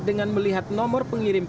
dengan melihat nomor pengisiannya